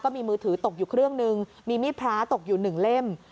มีมือถือตกอยู่เครื่องนึงมีมีดพระตกอยู่หนึ่งเล่ม